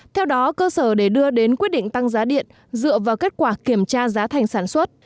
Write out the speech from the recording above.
theo đó cơ sở để đưa đến quyết định tăng giá điện dựa vào kết quả kiểm tra giá thành sản xuất